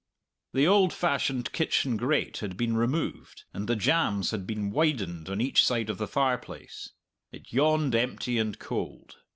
The old fashioned kitchen grate had been removed and the jambs had been widened on each side of the fireplace; it yawned empty and cold.